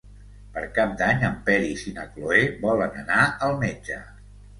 Per Cap d'Any en Peris i na Cloè volen anar al metge.